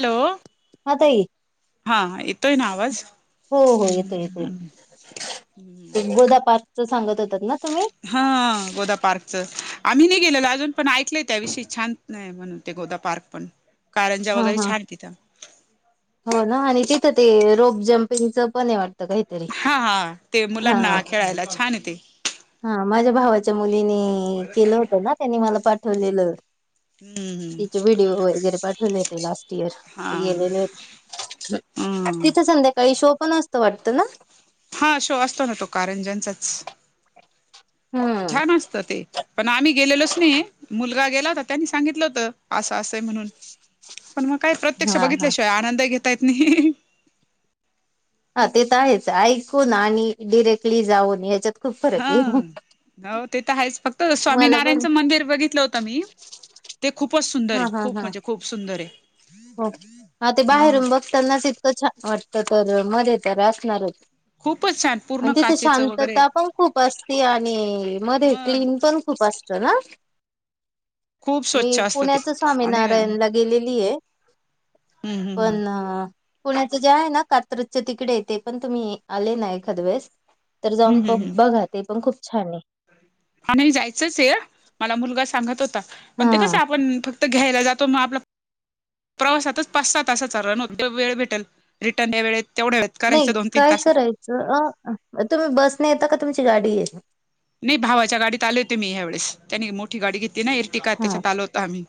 Hello हा ताई हा येतोय ना आवाज हो हो येतोय येतोय गोदा पार्कच सांगत होतात ना तुम्ही? हा गोदा पार्कचं आम्ही नाही गेलेलो अजून पण ऐकलंय त्याविषयी छान म्हणून ते गोदा पार्क पण कारंजा हा वगैरे हा छान तिथं. हो ना आणि तिथं ते रोप जम्प हा हा ते हा मुलांना खेळायला छान आहे ते. हा माझ्या भावाच्या मुलीनी केलं होतं ना त्यांनी मला पाठवलेलं. हम्म तिचे व्हिडिओ वगैरे पाठवून येते लास्ट इयर हा ते गेलेले होते. हम्म तिथं संध्याकाळी शो पण असतो वाटतं ना. हा शो असतो ना तो कारंजनचाच. हम्म ते पण आम्ही गेलेलोच नाही मुलगा गेला होता त्यांनी सांगितलं होत. असं असंय म्हणून पण मग काय प्रत्यक्ष हा हा बघितल्याशिवाय आनंद घेता येत नाही. हा ते तर आहेच ऐकून ना आणि डिरेक्टली जाऊन ह्याच्यात हा हो ते तर आहेच फक्त मला पण स्वामीनारायणचं मंदिर बघितलं होतं मी. ते खूपच सुंदर हा आहे हा खूप हा म्हणजे खूप सुंदर आहे. हो हा ते ह बाहेरून बघतानाच इतकं छान वाटत तर मध्ये तर असणारच. खूपच छान पूर्ण आणि तिथे काचेचं वगैरे शांतता पण खूप असते आणि मध्ये हा क्लीन पण खूप असत ना. खूप मी स्वच्छ असतं ते पुण्याच आणि हम्म स्वामीनारायण ला गेलेली आहे. हम्म हम्म पण अ पुण्याच जे आहे ना कात्रजच्या तिकडे येते पण तुम्ही आले ना एखाद वेळेस तर जाऊन हम्म प हम्म बघा ते पण खूप छान आहे. आणि जायचंच आहे मला मुलगा सांगत होता पण ते हा कसं आपण फक्त तर घ्यायला जातो मग आपला प्रवासातच पाच सहा तासाचा रन होते वेळ भेटेल रिटर्न त्या वेळेत तेवढ्या वेळेत करायचं नाही दोन तीन काय तासात करायचं अ तुम्ही बसने येता का तुमची गाडी आहे. नाही भावाच्या गाडीत आले होते मी, ह्यावेळेस त्यानी मोठी गाडी घेतली ना एरटी का त्याच्यात आल होत आम्ही.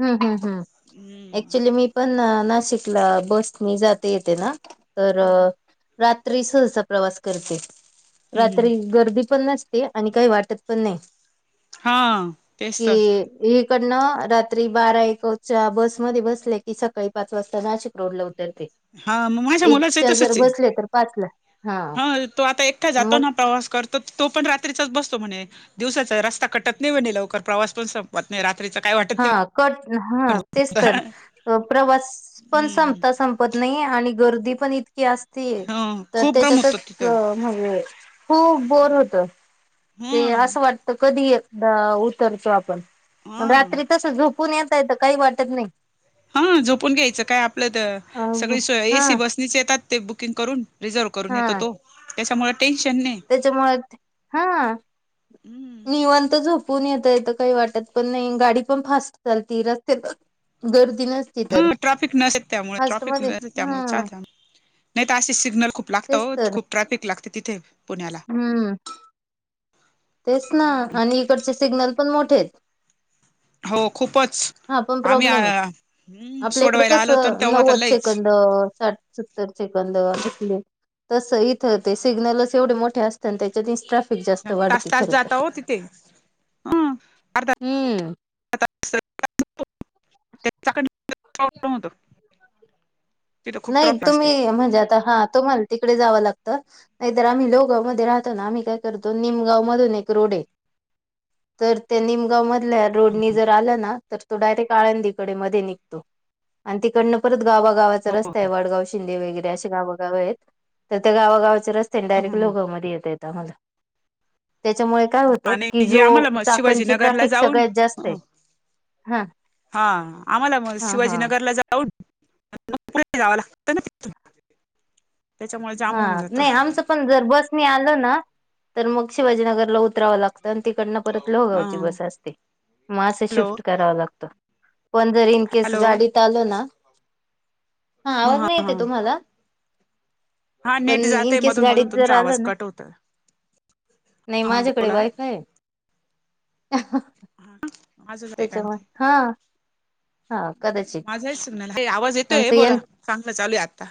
हम् हम् हम्. हम्म ऍक्च्युली मी पण नाशिकला बस ने जाते येते ना. तर हम्म रात्री सहसा प्रवास करते हम्म हम्म. रात्री गर्दी पण नसते. ते आणि काही वाटत पण नाही. हा. तेच की तर अ इकडनं रात्री बारा एकच्या बसमध्ये बसले की सकाळी पाच वाजता नाशिक रोडलं उतरते. हा माझ्या मुलाचं आहे एकच्या जर तसच आहे बसले तर पाच ला हा तो आता एकटा जातो मग ना प्रवास करतो ना. तर तो पण रात्रीचाच बसतो म्हणे दिवसाचा रस्ता कटत नाही म्हणे लवकर प्रवास पण संप पत नाही रात्रीच काय वाटत नाही. हा कट हा तेच तर प्रवास पण हम्म संपता संप पत नाही आणि गर्दी पण इतकी असते ह तर खूप गरम होत त्याच्यातच तिथं म्हणजे खूप बोरं होतंय. ते ह असं वाटत कधी एकदा उतरतो. आपण ह रात्री तसं झोप पण येता येत काही वाटत नाही. हा झोपून घ्यायचं काय आपलं तर, अ सगळी स हा एसी बसनीच येतात ते बुकिंग करून. रिझर्व करून येतो तो, त्यांच्यामुळे टेन्शन नाही. त्यांच्यामुळे हां. हम्म. निवांत झोपून येता येत काही वाटत पण नाही, गाडी पण फास्ट चालते रस्त्यांत गर्दी नस ह ट्राफिक नसे त्यामुळे, ट्राफिक नसे त्यामुळे चाल हा नाही तर असे सिग्नल खूप लागतं तेच ओ, तर खूप ट्रॅफिक लागते तिथे पुण्याला. हम्म. तेच ना, आणि इकडचे सिग्नल पण मोठे आहेत. हो खूपचं. हा पण प्रॉब्लेम आहे, आपल्या इकडं सोडवायला आलो होतो कसं तेव्हा तर नव्वद लईच सेकंद साठ. सत्तर सेकंद कसले. तसं इथं ते सिग्नलच एवढे मोठे असत. आणि त्यांच्याने ट्राफिक जास्त वाढ तास तास जाता हो तिथे, हम अर्ध हम्म [unintelligible] तिथं खूप नाही ट्रॉफी असते तुम्ही म्हणजे, आता हा तुम्हाला तिकडे जावं लागतं. नाही तर आम्ही लोगाव मध्ये राहतो ना, आम्ही काय करतो निमगाव मधून एक रोड ये. तर त्या निमगाव मधल्या रोडनी जर आला ना. तर तो डायरेक्ट आळंदीकडे मध्ये निघतो, आणि तिकडनं परत गावागावाचा रस्ता. डगाव शिंदे वगैरे असे गावगाव आहेत, तर त्या गावागावच्या रस्ते डायेक्ट लोगावमध्ये येत आहेत. आम्हाला तेच्यामुळे काय होत आणि की, हे आम्हाला जो मग चाकणची शिवाजीनगरला ट्राफिक जाऊन सगळ्यात जास्त ये. हा आम्हाला म हा हा शिवाजीनगरला जा [unintelligible] जावं लागत ना. त्याच्यामुळे जाम हा होऊन जातं नाही आमचं पण जर बसने आलोना, तर मग शिवाजीनगरला उतराव लागतं. तिकडनं परत ह लोगावची बस असते, मग असं हॅलो शिफ्ट कराव लागत. पण जर इन केस हॅलो गाडीत आलं ना, हा आवज ह नाही ह येते तुम्हाला. हा पण नेट इन जातय केस मधून गाडीत मधून जर तुमचा आवाज आलं ना. कट होतोय नाही हा माझ्याकडे बोला वायफाय ये. हा. माझं जातय काय त्यांच्यामुळे माहिती हा. हा कदाचित. [unintelligible] आवाज येतोय आमचं बोला यं चांगल चालूय आत्ता.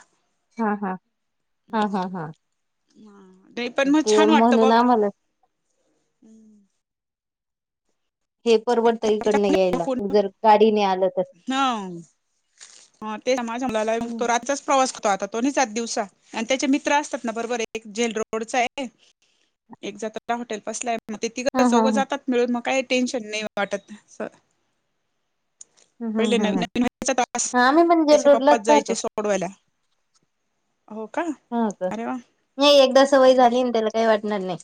हा हा हा हा हा. [unintelligible] ते वाटतं बा म्हणून आम्हाला. हे परवडतय हिकडंन यायला, जर गाडीने आलं तर. हम. तेच ना, माझ्या मुलाला हम्म रातचाच प्रवास करतो आता. तो नाही जात दिवसा आणि त्यांचे मित्र असतात ना, बरोबर एक जेल रोडचा आहे. एक [unintelligible] हॉटेल पसला आहे. मग ते हा तिघं हा चौघं हा जातात, मिळून काही टेन्शन वाटत असं. ह पहिले ह नवी ह नवीन वचा तास हा आम्ही पण जेल त्याचे रोडलाच पप्पाच राहतो जायचे सोडवायला. अ्हो का? ह का? अरे वा नाही एकदा सवय झाली न् त्याला काही वाटणार नाही.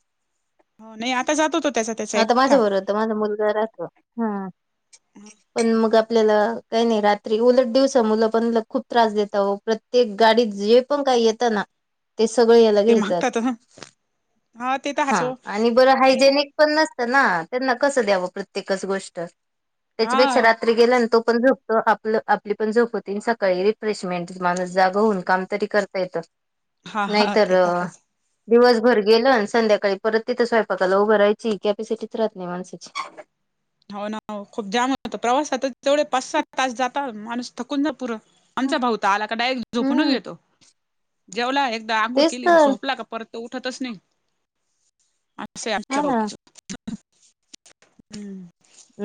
हो नाही आता जात होतो त्याच त्याचा एखटा. तो माझा मुलगा राहतो. हं. पण मग आपल्याला काही नाही रात्री उलट दिवसा मुलं पण लय खूप त्रास देता ओ. प्रत्येक गाडीत जे पण काही येत ना ते सगळ ह्याला ते घ्यायचं असत. मागतात हा ते तर हायच हां ओ आणि बर हायजेनिक पण नसत ना त्यांना कस द्याव प्रत्येकच गोष्ट त्याच्यापेक्षा हा ना त्री गेला न् आणि तो पण झोपतो आपल् आपली पण झोप होती. सकाळी रिफ्रेशमेंट माणूस जागा होऊन काम तरी करता येत. हा नाही हा तर ते अ् हायच. दिवसभर गेलं आणि संध्याकाळी परत तिथं स्वयंपाकाला उभ राहायची कॅपॅसिटीच राहत नाही माणसाची. हो ना खूप जाम होतो प्रवासात तेवढे पाच सहा तास जात माणूस थकून जा पुर् आमचा भाऊ त् आला का डायेक् झोपूनच हम्म घेतो. जेवला एकदा आंघोळ तेच केली तर झोपला का परत तो उठतच नाही असं हा आमच्या ना भाऊच. हम्म.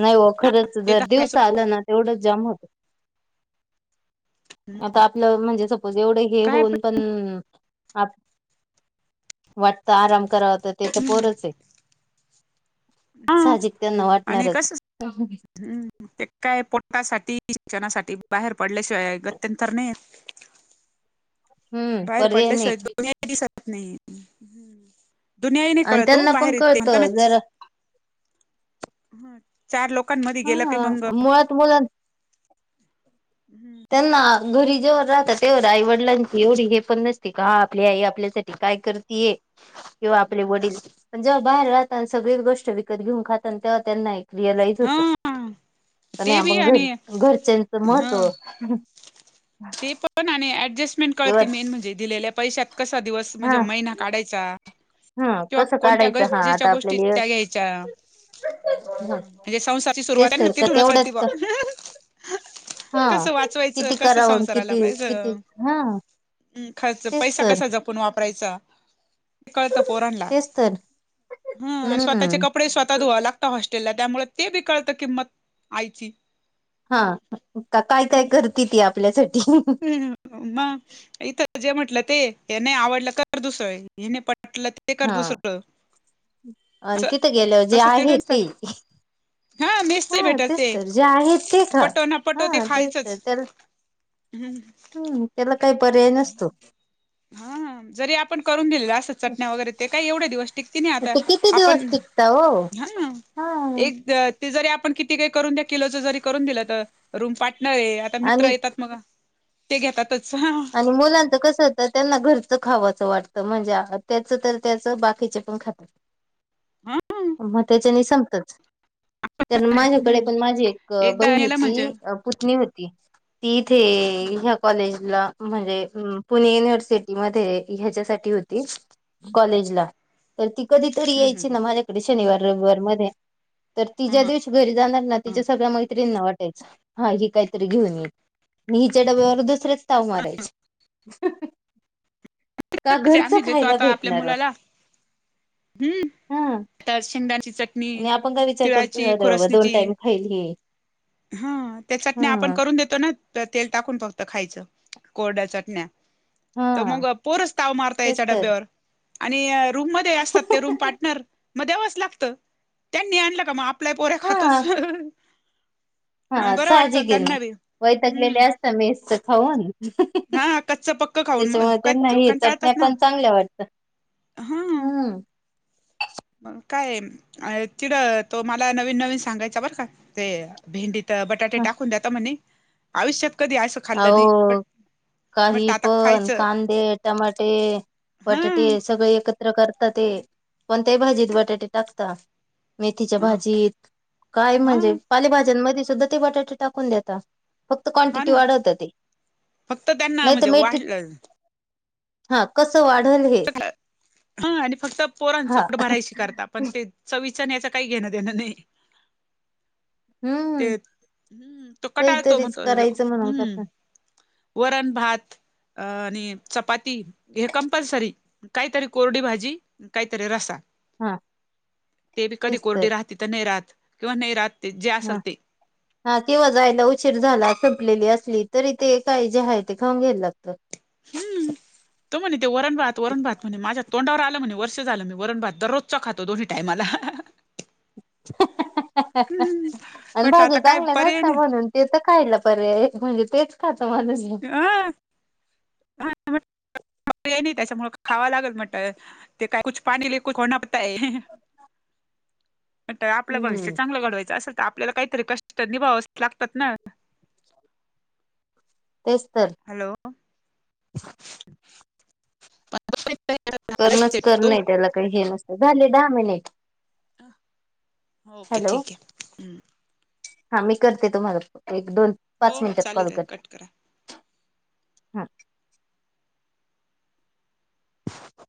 नाही ओ खरंच ते तर जर आहेच दिवसा आलं ना एवढच जाम होत. आता आपलं म्हणजे सपोज एवढं हे काय होऊन पण् आत् वाटतं आराम कराव तर ते तर पण पोरच आहे. हा साहाजिक त्यांना आणि वाटणारच. कस हम्म ते काय पोटासाठी शिक्षणासाठी बाहेर पडल्याशिवाय गत्यंतर नाही. हम्म बाहेर पर्याय नाही पडल्याशिवाय दुनिया दिसत नाही. दुनियाही नाही आणि कळतो ओ त्यांना पण बाहेर आहेत ते कळत म्हणताणच जरा चार लोकांमध्ये गेलं की मंग अ् तु बोला ना? [inaudible] त्यांना घरी जेवर राहतात तोवर आई वडिलांची एवढी हे पण नसती का हा आपली आई आपल्यासाठ्- ठी काय करतीय. [inaudible] किंवा आपले वडील हम्म. पण जेव्हा बाहेर राहता सगळीच गोष्ट विकत घेऊन खातान तेव्हा त्यांना एक रिॲलाईज होतं. हा आणि ते बी आपण आणि घरी घरच्यांचं ह महत्त्व. ते पण आणि ऍडजस्टमेंट किंवा कळते मेन म्हणजे दिलेल्या पैशात कसा दिवस म्हणजे हा महिना काढायचा. हा किंवा कसं कोणत्या काढायचं हा गरजेच्या आता गोष्टी आपल्याला त्या घ्यायच्या हम् म्हणजे संसाराची सुरुवात तेच आहे न तर का तिथूनच कळती ब्. हां किती करावं किती किती हं हम् खर्च पैसा कसा जपून वापरायचा. ते कळत पोरांला तेच तर हम आणि स्वतःचे हम्म कपडे स्वतः धुवावी लाग् तात हॉस्टेलला त्यामुळे ते बी कळत किंमत आईची. हां का् काय काय करते ती आपल्यासाठी. म् इथं जे म्हंटलं ते हे नाही आवडलं कर दुसरं हे नाही पटलं त् ते कर हा दुसरं आणि तिथं गेल्यावर जे आहे तसं ते [unintelligible] हा मेसच हा भेटल तेच ते तर जे आहे ते खा पटो न् पटो ते हा तेच खायचच. ह्ंम् हम् त्याला काय पर्याय नसतो. हा हा जरी आपण करून दिलेल्या असत चटण्या वगैरे ते काही एवढे दिवस टिकते नाही आता. ते किती आपण दिवस टिकतं हो हा. एक ते जरी आपण किती काही करून द्या किलोच जरी करून दिलं तर रूम पाटणार आहे आ ता मित्र आणि येतात मगा ते घेतातच. आणि मुलांचं कसं तर त्यांना घरचं खावाचं वाटतं म्हणजे त्याचं तर त्याच बाकीचे पण खातात. हा मग त्याच्याने संपतच. तर माझ्याकडे हम्म पण माझी एक एकदा याला म्हणजे बहिणीची अ पुतनी होती ती इथे ह्या कॉलेजला म्हणजे पुणे युनिव्हर्सिटीमध्ये ह्याच्यासाठी होती कॉलेजला तर ती कधी तरी हम्म यायची हम्म ना माझ्याकडे शनिवार रविवार मध्ये. तर ती हम्म ज्या दिवशी घरी जाणार ना हम्म. तिच्या सगळ्या मैत्रिंना वाटायचं. हा हे काहीतरी घेऊन येत आणि हिच्या डब्यावर दुसरेच ताव मारायचे. का म्हणजे घरच आम्ही देतो खायला आता आपल्या भेटणार व? मुलाला हम्म हां शेंगदाण्याची चटणी, करतो तिळाची, अरे बाबा दोन खोरसणीची टाइम खाईल ही हा त्या चटणी आपण हा करून देतो ना त्या तेल टाकून फक्त खायचं कोरड्या चटण्या तर हा मग पोरच ताव मारता तेच याच्या तर डब्यावर आणि रूम मध्ये असतात ते रूम पार्टनर मग देवस लागतं त्यांनी आणलं का म आपले पोरं हा खातोस आणि हा बरं वाटतं साहजिक आहे ना त्यांना बी. वैतागलेले असतं मेसचं खाऊन हा कच्च पक्क खाऊन त्याच्यामुळे त्यांना नाही चटण्या कंटाळतात ना पण चांगल्या वाटतं हम्म. [inaudible] मग काय म आय तिकडं तो मला नवीन-नवीन सांगायचा बरं का ते भेंडीत बटाटे टाकून द्याता म्हणे आयुष्यात कधी असं खाल्लं नाही बट अहो बट काही आता पण खायचं कांदे टमाटे, हा बटाटे सगळे एक त्र करता ते कोणत्याही भाजीत बटाटे टाकता. मेथीच्या हा भाजीत काय हा म्हणजे पालेभाज्यांमध्ये सुद्धा ते बटाटे टाकून देतात फक्त हा क्वांटिटी ना वाढवत ते फक्त त्यांना नाही तर म्हणजे मेथी वाढलं हा कसं वाढल हे [unintelligible] हा फक्त पोरांचा हा पोट भरायशी करता आपण ते चविचं आणि याचं काही घेणं देणं नाही.. हम्म ते तो कटाळतो काहीतरीच म्हणतो करायचं म्हणून हम्म. करता वरण भात आणि चपाती हे कंपल्सरी काहीतरी कोरडी भाजी काहीतरी रसा. हा ते बी कधी कोरडी राहते तर नाही राहत किंवा नाही राहत ते जे असल ह हा किंव्हा जायला उशीर संपलेली असली तरी ते काही जे आहे ते खाऊन घ्यायला लागतं. हम्म. तो म्हणे ते वरणभात वरणभात म्हणे माझ्या तोंडावर आलं म्हणे वर्ष झालं मी वरणभात दररोज चौ खातो दोन्ही टाइमाला. हम्म. आणि म्हटलं आता भाज्या काय चांगल्या पर्याय नसता नाही म्हणून. ते तर खायला पर्याय म्हणजे तेच खातो माणूस. [inaudible] ते काय कुछ खाने के लिये कुछ खोना पडता है. तर आपलं भविष्य हम्म. चांगलं घडवायचं असेल तर आपल्याला काहीतरी कष्ट निभावंच लागतात ना. तेच तर. हॅलो [inaudible] पण तो इथं झाला करणंच सेट करणं तो आहे त्याला काही हे नसतं झाले दहा मिनिट. हा ओके हॅलो. ठीक आहे ह्म. हा मी करते तुम्हाला एक दोन हो पाच हो मिनिटात कॉल चालेल करते. कट करा हा.